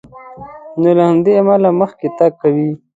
نو له همدې امله مخکې تګ کوي.